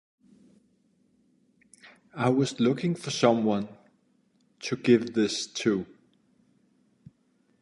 I was looking for some one to give this to.